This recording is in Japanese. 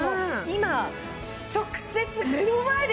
今直接目の前で。